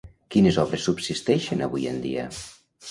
Quines obres subsisteixen avui en dia?